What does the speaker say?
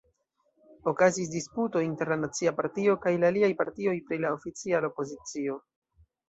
Okazis disputo inter la Nacia Partio kaj la aliaj partioj pri la oficiala opozicio.